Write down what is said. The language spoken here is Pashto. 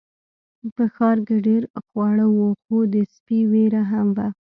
په ښار کې ډیر خواړه وو خو د سپي ویره هم وه.